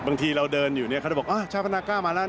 บางทีเราเดินอยู่เนี่ยเขาจะบอกชาวพนักกล้ามาแล้ว